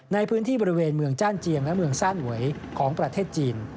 ในพื้นที่บริเวณเมืองจ้านเจียงและเมืองซ่านหวยของประเทศจีน